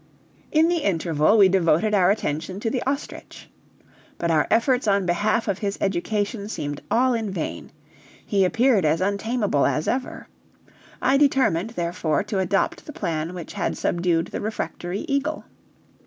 In the interval we devoted our attention to the ostrich. But our efforts on behalf of his education seemed all in vain. He appeared as untameable as ever. I determined, therefore, to adopt the plan which had subdued the refractory eagle.